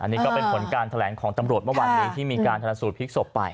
นี่ก็เป็นผลการแถลงของตำรวจเมื่อวานนี้ที่มีการทันสูตพลิกศพไป